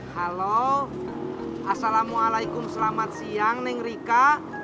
halo assalamualaikum selamat siang ning rika